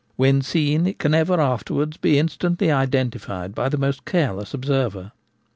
When seen it can ever afterwards be instantly identi fied by the most careless observer.